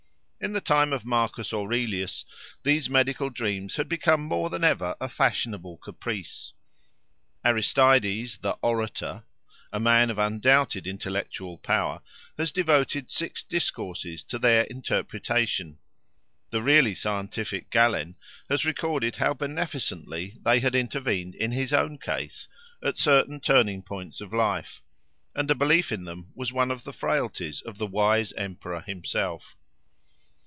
In the time of Marcus Aurelius these medical dreams had become more than ever a fashionable caprice. Aristeides, the "Orator," a man of undoubted intellectual power, has devoted six discourses to their interpretation; the really scientific Galen has recorded how beneficently they had intervened in his own case, at certain turning points of life; and a belief in them was one of the frailties of the wise emperor himself.